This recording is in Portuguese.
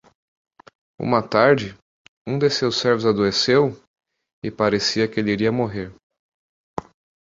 Uma tarde? um de seus servos adoeceu? e parecia que ele iria morrer.